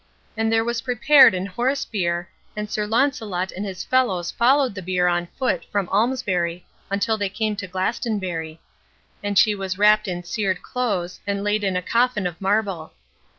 And there was prepared an horse bier, and Sir Launcelot and his fellows followed the bier on foot from Almesbury until they came to Glastonbury; and she was wrapped in cered clothes, and laid in a coffin of marble.